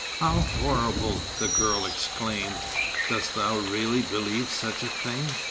"How horrible!" the girl exclaimed. "Dost thou really believe such a thing?"